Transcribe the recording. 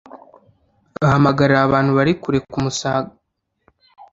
Ahamagarira abantu bari kure kumusariga we n'abigishwa be,